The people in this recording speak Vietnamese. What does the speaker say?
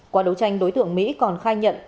qua đấu tranh đối tượng mỹ còn khai nhận